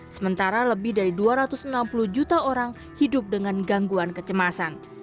sementara lebih dari dua ratus enam puluh juta orang hidup dengan gangguan kecemasan